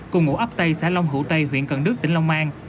cùng ngụ ấp tây xã long hữu tây huyện cần đức tỉnh long an